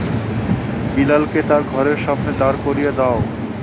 বিলাল কে তার ঘরের সামনে দাঁড় করিয়ে দাও।